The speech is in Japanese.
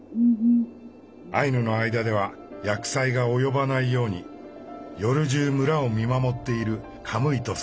アイヌの間では厄災が及ばないように夜じゅう村を見守っているカムイとされています。